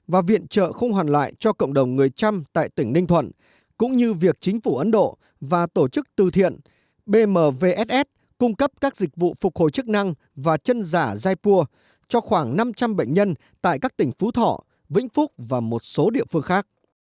và viện trợ không hoàn lại cho cộng đồng người trăm tại tỉnh ninh thuận cũng như việc chính phủ ấn độ và tổ chức từ thiện bmvss cung cấp các dịch vụ phục hồi chức năng và chân giả jaipur cho khoảng năm trăm linh bệnh nhân tại các tỉnh phú thọ vĩnh phúc và một số địa phương khác